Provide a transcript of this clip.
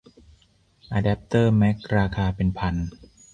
อะแดปเตอร์แมคราคาเป็นพัน